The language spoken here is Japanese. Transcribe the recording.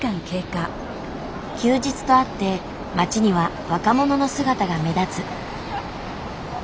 休日とあって街には若者の姿が目立つ。